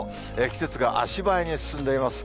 季節が足早に進んでいます。